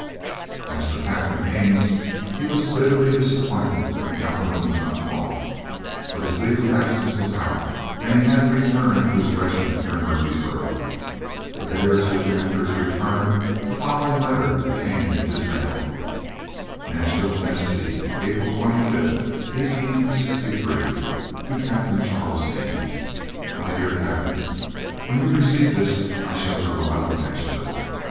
As for Captain Haines, he was bitterly disappointed when Calhoun was not caught. But his leave of absence was out, and he had to return to his regiment near Murfreesboro. A day or two after his return the following letter came with his mail: NASHVILLE, TENN., April 25, 1863. To Capt. Chas. Haines, My Dear Captain: When you receive this I shall be well out of Nashville.